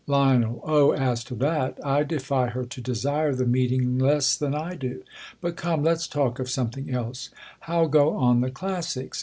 Lien. O, as to that, I defy her to desire the meeting Jess than I do. But come, let's talk of something else, liow go on the classics